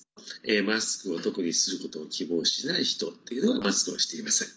マスクを特にすることを希望しない人っていうのはマスクをしていません。